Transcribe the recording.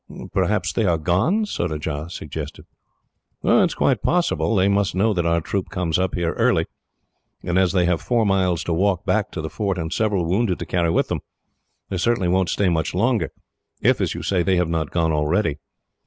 "Perhaps they are gone?" Surajah suggested. "It is quite possible. They must know that our troop comes up here early, and as they have four miles to walk back to the fort, and several wounded to carry with them, they certainly won't stay much longer if, as you say, they have not gone already."